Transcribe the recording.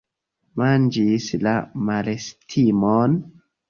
Manĝis la malestimon?